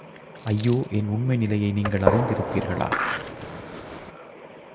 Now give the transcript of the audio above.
ஐயோ என் உண்மை நிலையை நீங்கள் அறிந்திருப்பீர்களா?